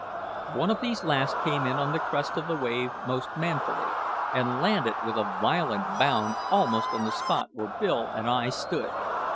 One of these last came in on the crest of the wave most manfully, and landed with a violent bound almost on the spot where Bill and I stood.